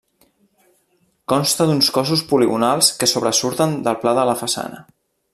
Consta d'uns cossos poligonals que sobresurten del pla de la façana.